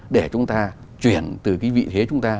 để chúng ta chuyển từ cái vị thế chúng ta